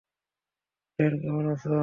Dan কেমন আছে?